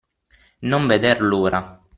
Non veder l'ora.